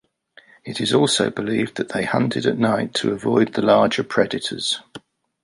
It is also believed that they hunted at night, to avoid the larger predators.